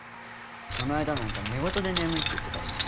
この間なんか寝言で眠いって言ってたもん。